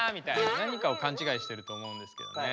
なにかをかんちがいしてると思うんですけどね。